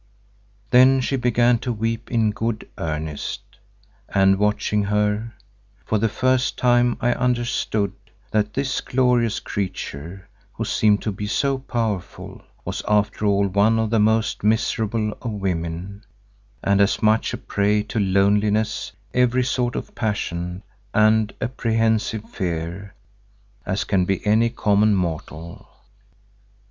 Then she began to weep in good earnest, and watching her, for the first time I understood that this glorious creature who seemed to be so powerful, was after all one of the most miserable of women and as much a prey to loneliness, every sort of passion and apprehensive fear, as can be any common mortal.